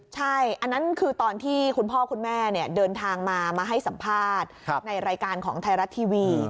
ใช่อันนั้นคือตอนที่คุณพ่อคุณแม่เดินทางมามาให้สัมภาษณ์ในรายการของไทยรัฐทีวี